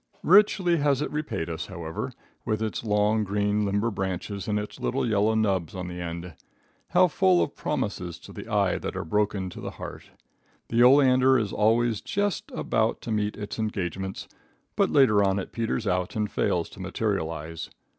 Richly has it repaid us, however, with its long, green, limber branches and its little yellow nubs on the end. How full of promises to the eye that are broken to the heart. The oleander is always just about to meet its engagements, but later on it peters out and fails to materialize.